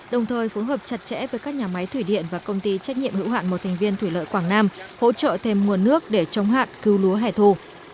đồng thời phối hợp chặt chẽ với các nhà máy thủy điện và công ty trách nhiệm hữu hạn một thành viên thủy lợi quảng nam hỗ trợ thêm nguồn nước để chống hạn cứu lúa hẻ thù